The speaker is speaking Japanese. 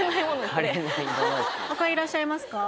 他いらっしゃいますか？